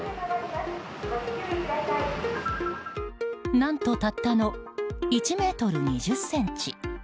何とたったの１ｍ２０ｃｍ。